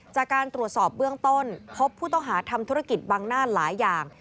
จากการตรวจสอบเบื้องต้นพบผู้ต้องหาทำธุรกิจบังหน้าหลายอย่าง